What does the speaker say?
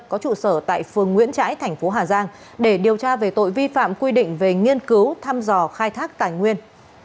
có trụ sở tại phường nguyễn trãi thành phố hà giang để điều tra về tội vi phạm quy định về nghiên cứu thăm dò khai thác tài nguyên